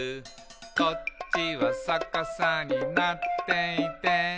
「こっちはさかさになっていて」